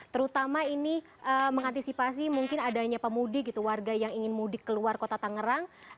terutama ini mengantisipasi mungkin adanya pemudik gitu warga yang ingin mudik keluar kota tangerang